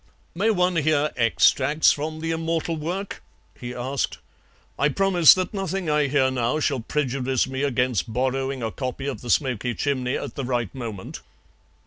"May one hear extracts from the immortal work?" he asked. "I promise that nothing that I hear now shall prejudice me against borrowing a copy of the SMOKY CHIMNEY at the right moment."